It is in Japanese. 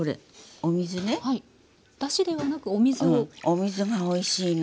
お水がおいしいの。